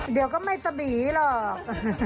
เดี๋ยวก็ไม่สบีหรอก